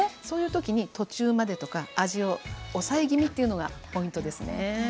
そういう時に途中までとか味を抑え気味というのがポイントですね。